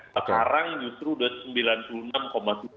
sekarang justru udah sembilan puluh enam tujuh